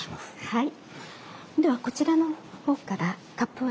はい。